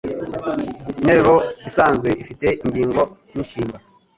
Interuro isanzwe ifite ingingo ninshinga.